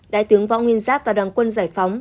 đại tướng võ nguyên giáp và đoàn quân giải phóng